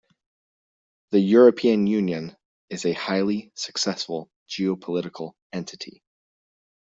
The European Union is a highly successful geopolitical entity.